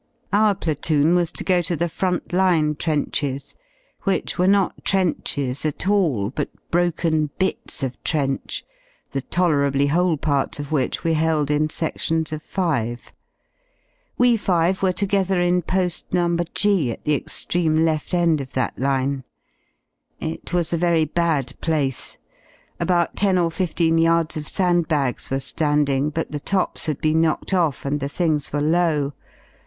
Our platoon was to go to the front line trenches, which were not trenches at all, but broken bits of trench, the tolerably whole parts of which we held in sedions of five. We five were together in poil No. G at the extreme left end of that line. It was a very bad place; about ten or fifteen yards of sand bags were landing, but the tops had been knocked off and the things were low.